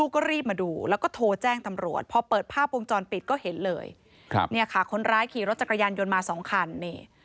ก็ดีใจจะซื้อมาซื้อน้อยไม่ว่าอะไร